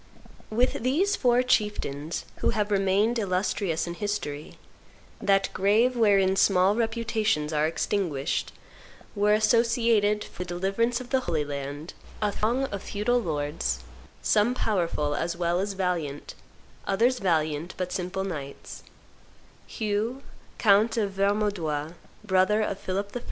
With these four chieftains, who have remained illustrious in history, that grave wherein small reputations are extinguished, were associated, for the deliverance of the Holy Land, a throng of feudal lords, some powerful as well as valiant, others valiant but simple knights; Hugh, count of Vermaudois, brother of Philip I.